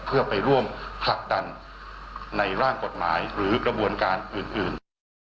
เพื่อไปร่วมผลักดันในร่างกฎหมายหรือกระบวนการอื่น